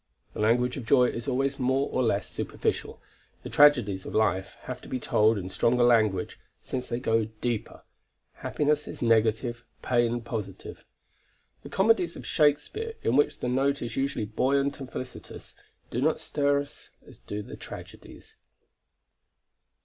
The language of joy is always more or less superficial. The tragedies of life have to be told in stronger language, since they go deeper. Happiness is negative, pain positive. The comedies of Shakespeare, in which the note is usually buoyant and felicitous, do not stir us as do the tragedies.